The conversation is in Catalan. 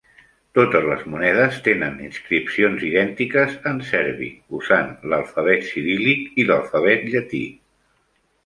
Totes les monedes tenen inscripcions idèntiques en serbi, usant l"alfabet ciríl·lic i l"alfabet llatí.